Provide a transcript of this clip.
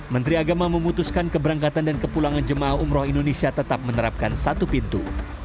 menteri agama memutuskan keberangkatan dan kepulangan jemaah umroh indonesia tetap menerapkan satu pintu